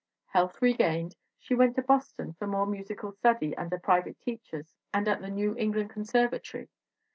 Health regained, she went to Boston for more musical study under private teachers and at the New England Conservatory.